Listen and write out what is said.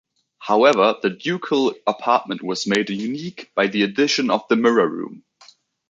However, The Ducal apartment was made unique by the addition of the Mirror Room.